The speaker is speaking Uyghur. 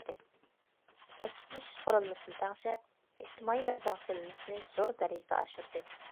كەسىپلىشىش قۇرۇلمىسىنى تەڭشەپ، ئىجتىمائىي مەبلەغ سېلىنمىسىنى زور دەرىجىدە ئاشۇردى.